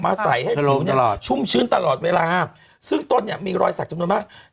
มาใส่ให้ถูกชุ่มชื้นตลอดเวลาซึ่งต้นเนี่ยมีรอยศักดิ์จำนวนมาก